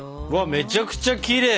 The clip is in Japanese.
めちゃくちゃきれい。